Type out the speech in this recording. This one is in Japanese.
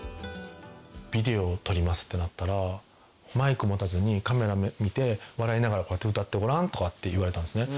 ビデオを撮りますってなったら「マイク持たずにカメラ見て笑いながらこうやって歌ってごらん」とかって言われたんですね。